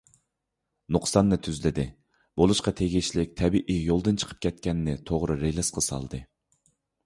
نۇقساننى تۈزلىدى، بولۇشقا تېگىشلىك تەبىئىي يولىدىن چىقىپ كەتكەننى توغرا رېلىسقا سالدى.